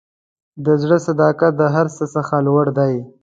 د زړه صداقت د هر څه څخه لوړ دی.